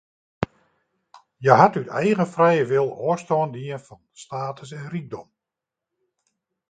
Hja hat út eigen frije wil ôfstân dien fan status en rykdom.